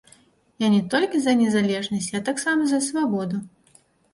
Я не толькі за незалежнасць, я таксама за свабоду.